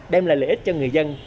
đem lại lợi ích cho người dân